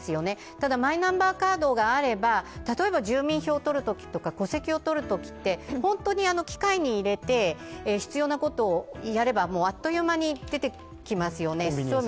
ただマイナンバーカードがあれば例えば住民票、戸籍をとるときって本当に機械に入れて必要なことをやればあっという間に出てきますよね。